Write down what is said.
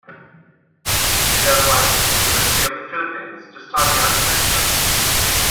He then went to the University of the Philippines to study Architecture.